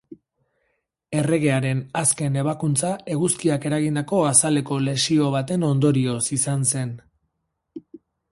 Erregearen azken ebakuntza eguzkiak eragindako azaleko lesio baten ondorioz izan zen.